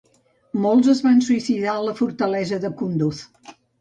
Molts es van suïcidar a la fortalesa de Kunduz.